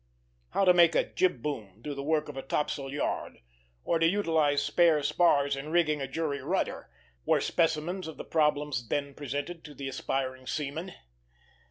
How to make a jib boom do the work of a topsail yard, or to utilize spare spars in rigging a jury rudder, were specimens of the problems then presented to the aspiring seaman.